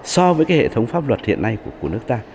so với cái hệ thống pháp luật hiện nay của nước ta